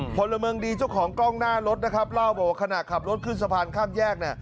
พลเมืองดีเจ้าของกล้องหน้ารถนะครับเล่าบอกว่าขณะขับรถขึ้นสะพานข้ามแยกเนี่ย